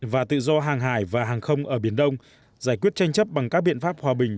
và tự do hàng hải và hàng không ở biển đông giải quyết tranh chấp bằng các biện pháp hòa bình